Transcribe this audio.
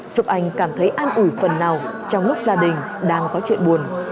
giúp anh cảm thấy an ủi phần nào trong lúc gia đình đang có chuyện buồn